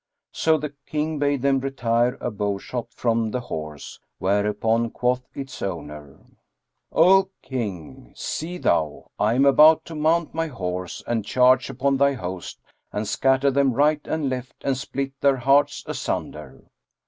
So the King bade them retire a bowshot from the horse; whereupon quoth its owner, "O King, see thou; I am about to mount my horse and charge upon thy host and scatter them right and left and split their hearts asunder."